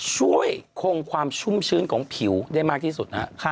คงความชุ่มชื้นของผิวได้มากที่สุดนะฮะ